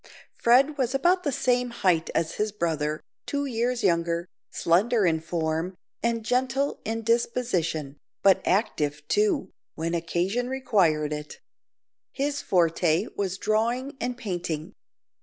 Fred was about the same height as his brother, two years younger, slender in form, and gentle in disposition, but active, too, when occasion required it. His forte was drawing and painting.